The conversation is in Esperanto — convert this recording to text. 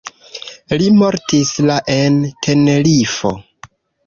Li mortis la en Tenerifo.